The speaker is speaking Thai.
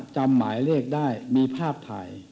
จำหมายเลขได้มีภาพถ่าย